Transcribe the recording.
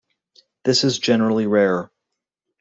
This is generally rare.